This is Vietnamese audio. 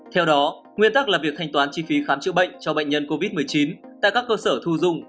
theo đó nguyên tắc là việc thanh toán chi phí khám chữa bệnh cho bệnh nhân covid một mươi chín tại các cơ sở thu dung